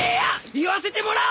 言わせてもらおう！